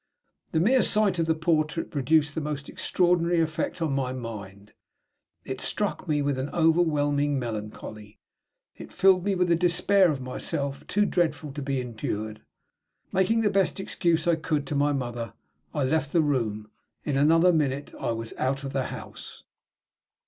The mere sight of the portrait produced the most extraordinary effect on my mind. It struck me with an overwhelming melancholy; it filled me with a despair of myself too dreadful to be endured. Making the best excuse I could to my mother, I left the room. In another minute I was out of the house.